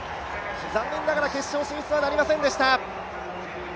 残年ながら決勝進出はなりませんでした。